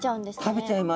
食べちゃいます。